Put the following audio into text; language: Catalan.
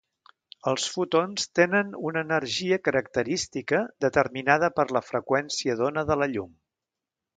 Els fotons tenen una energia característica determinada per la freqüència d’ona de la llum.